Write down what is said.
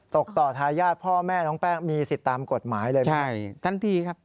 ตกต่อทายาทพ่อแม่น้องแป้งมีสิทธิ์ตามกฎหมายเลยไหมทันทีครับ